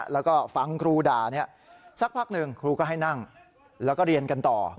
แล้วก็ฟังครูด่าสักพักหนึ่งครูก็ให้นั่งแล้วก็เรียนกันต่อ